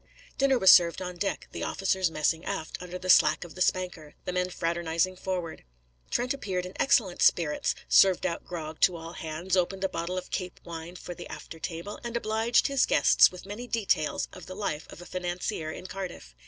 Dinner was served on deck, the officers messing aft under the slack of the spanker, the men fraternising forward. Trent appeared in excellent spirits, served out grog to all hands, opened a bottle of Cape wine for the after table, and obliged his guests with many details of the life of a financier in Cardiff.